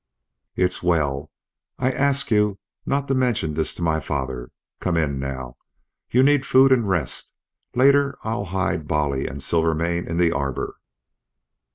"It's well. I ask you not to mention this to my father. Come in, now. You need food and rest. Later I'll hide Bolly and Silvermane in the arbor."